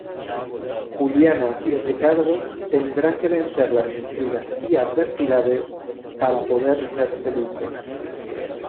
Juliana y Ricardo tendrán que vencer las intrigas y adversidades para poder ser felices.